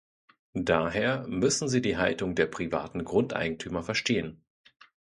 Daher müssen Sie die Haltung der privaten Grundeigentümer verstehen.